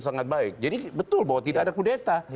sangat baik jadi betul bahwa tidak ada kudeta